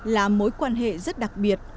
là mối quan hệ rất đặc biệt